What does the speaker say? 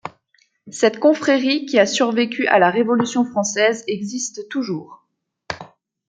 Cette confrérie qui a survécu à la Révolution française existe toujours.